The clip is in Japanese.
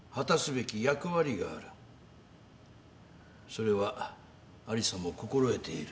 それは有沙も心得ている。